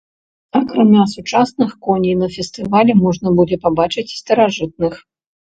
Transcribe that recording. Акрамя сучасных коней на фестывалі можна будзе пабачыць і старажытных.